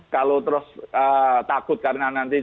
kalau terus takut karena nanti